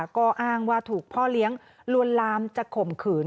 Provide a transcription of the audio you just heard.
ก็อ้างว่าถูกพ่อเลี้ยงลวนลามจะข่มขืน